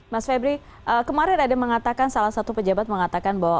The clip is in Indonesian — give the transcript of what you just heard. mas febri kemarin ada mengatakan salah satu pejabat mengatakan bahwa